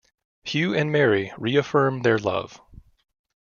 Hugh and Mary reaffirm their love.